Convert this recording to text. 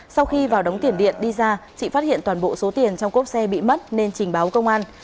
sau khi vào đóng tiền điện đi ra chị phát hiện toàn bộ số tiền trong cốp xe bị mất nên trình báo công an